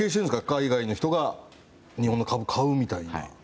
海外の人が日本の株を買うみたいに。